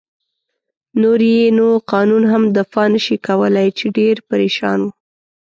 نور يې نو قانون هم دفاع نه شي کولای، چې ډېر پرېشان و.